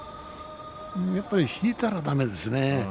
やっぱり引いたらだめですね。